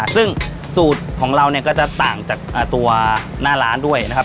ซึ่งสูตรของเราเนี่ยก็จะต่างจากตัวหน้าร้านด้วยนะครับ